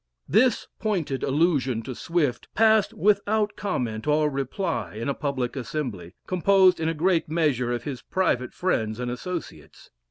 This pointed allusion to Swift passed without comment or reply in a public assembly, composed in a great measure of his private friends and associates.